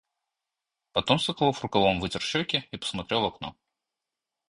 Потом Соколов рукавом вытер щеки и посмотрел в окно,